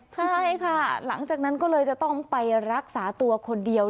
ใช่ค่ะหลังจากนั้นก็เลยจะต้องไปรักษาตัวคนเดียว